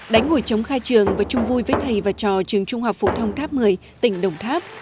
đánh hồi chống khai trường và chung vui với thầy và trò trường trung học phổ thông tháp một mươi tỉnh đồng tháp